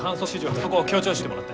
そこを強調しといてもらって。